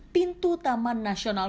pintu taman nasional